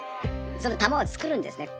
その玉を作るんですね。